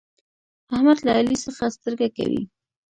احمد له علي څخه سترګه کوي.